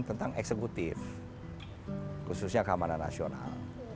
tentang eksekutif khususnya keamanan nasional